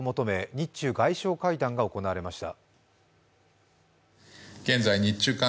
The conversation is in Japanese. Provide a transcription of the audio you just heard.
日中外相会談が行われました。